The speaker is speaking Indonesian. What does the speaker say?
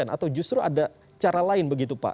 atau justru ada cara lain begitu pak